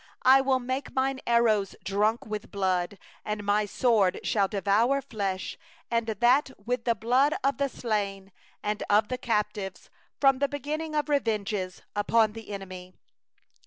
42I will make Mine arrows drunk with blood, And My sword shall devour flesh; With the blood of the slain and the captives, From the long haired heads of the enemy.